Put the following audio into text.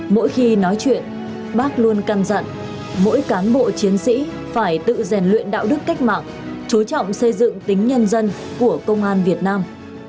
mỗi khi nói chuyện bác luôn căn dặn mỗi cán bộ chiến sĩ phải tự rèn luyện đạo đức cách mạng chú trọng xây dựng tính nhân dân của công an việt nam